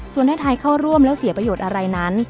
ส่วนให้ไทยเข้าร่วมแล้วเสียประโยชน์อะไรนั้น